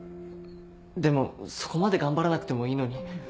でもそこまで頑張らなくてもいいのに。